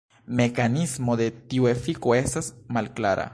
Mekanismo de tiu efiko estas malklara.